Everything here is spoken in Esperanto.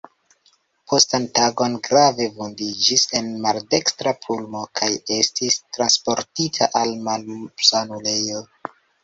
Postan tagon grave vundiĝis en maldekstra pulmo kaj estis transportita al malsanulejo.